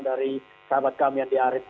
dari sahabat kami andi arief